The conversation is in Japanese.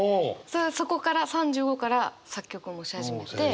そこから３５から作曲もし始めて。